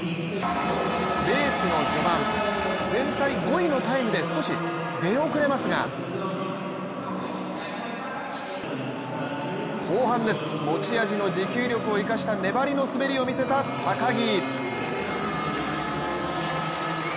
レースの序盤、全体５位のタイムで少し出遅れますが後半です、持ち味の持久力を生かした粘りの滑りを見せた高木。